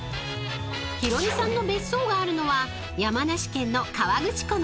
［ヒロミさんの別荘があるのは山梨県の河口湖のほとり］